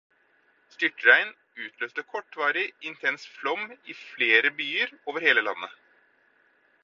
Styrtregn utløste kortvarig, intens flom i flere byer over hele landet.